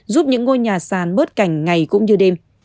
giúp những ngôi nhà sàn bớt cảnh ngày cũng như đêm